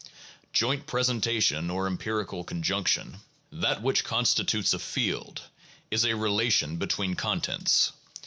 Joint presentation or empirical conjunction, that which constitutes a field, is a relation between contents.